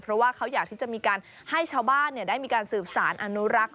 เพราะว่าเขาอยากที่จะมีการให้ชาวบ้านได้มีการสืบสารอนุรักษ์